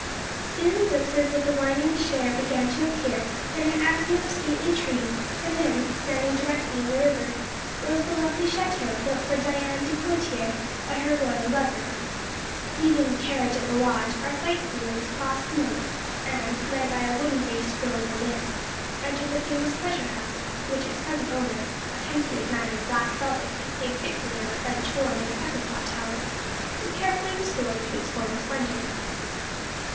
Soon, glimpses of the winding Cher began to appear, then an avenue of stately trees, and then, standing directly in the river, rose the lovely château built for Diane de Poictiers by her royal lover. Leaving the carriage at the lodge, our sight seers crossed the moat, and, led by a wooden faced girl with a lisp, entered the famous pleasure house, which its present owner (a pensive man in black velvet, who played fitfully on a French horn in a pepper pot tower) is carefully restoring to its former splendour.